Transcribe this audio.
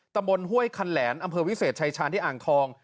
ตำบลห้วยคันแหลนอำเภอวิเศษชายชาญที่อ่างทอง